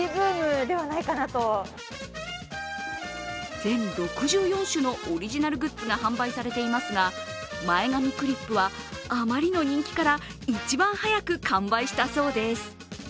全６４種のオリジナルグッズが販売されていますが前髪クリップはあまりの人気から一番早く完売したそうです。